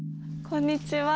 こんにちは。